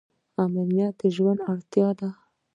امنیت د ژوند اړتیا ده